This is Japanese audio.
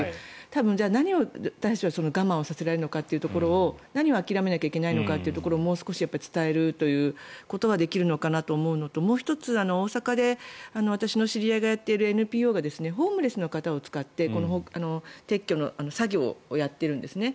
多分、何を私たちは我慢させられるのかというところを何を諦めなきゃいけないのかをもう少し伝えるということはできるのかなと思うのともう１つ、大阪で私の知り合いがやっているＮＰＯがホームレスの方を使って撤去の作業をやっているんですね。